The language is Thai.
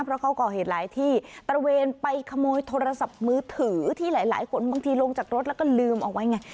เพราะเขาก่อเหตุหลายที่ตระเวนไปขโมยโทรศัพท์มือถือที่หลายหลายคนบางทีลงจากรถแล้วก็ลืมเอาไว้ไง